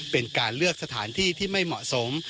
เป็นการเลือกสถานที่ที่ไม่เหมาะสม